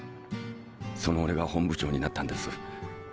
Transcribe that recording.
その俺が本部長になったんです。